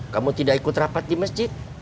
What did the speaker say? kamu tidak ikut rapat di masjid